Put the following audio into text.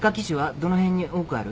どの辺に多くある？